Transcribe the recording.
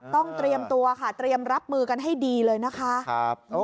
เตรียมตัวค่ะเตรียมรับมือกันให้ดีเลยนะคะ